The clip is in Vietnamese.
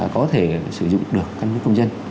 có thể sử dụng được căn cức công dân